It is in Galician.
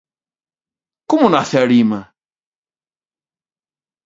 Como nace 'Arima'?